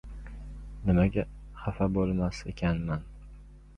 — Nimaga xafa bo‘lmas ekanman?